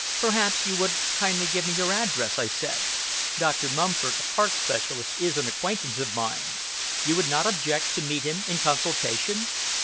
"Perhaps you would kindly give me your address," I said. "Dr. Mumford, the heart specialist, is an acquaintance of mine. You would not object to meet him in consultation?"